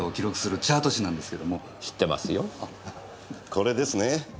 これですね。